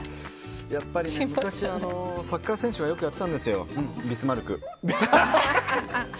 やっぱり、昔サッカー選手がよくやってたんですよビスマルク。